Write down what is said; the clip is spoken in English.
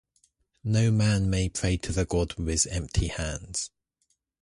No man may pray to the god with empty hands.